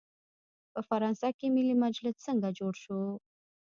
په فرانسه کې ملي مجلس څنګه جوړ شو؟